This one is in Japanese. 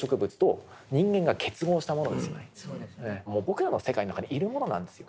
もう僕らの世界の中にいるものなんですよ。